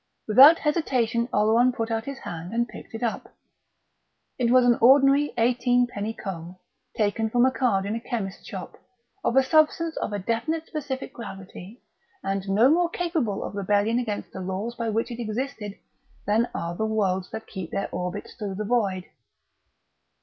Without hesitation Oleron put out his hand and picked it up. It was an ordinary eighteenpenny comb, taken from a card in a chemist's shop, of a substance of a definite specific gravity, and no more capable of rebellion against the Laws by which it existed than are the worlds that keep their orbits through the void.